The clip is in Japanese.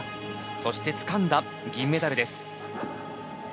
そしてつかんだ銀メダルです。